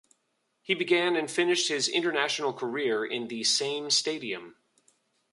He began and finished his international career in the same stadium.